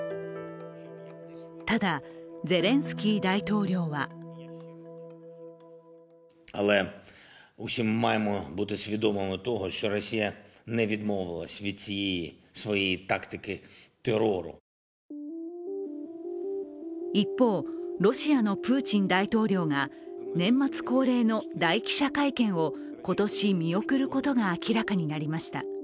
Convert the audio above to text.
ただ、ゼレンスキー大統領は一方、ロシアのプーチン大統領が年末恒例の大記者会見を今年、見送ることが明らかになりました。